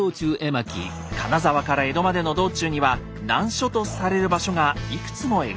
金沢から江戸までの道中には難所とされる場所がいくつも描かれています。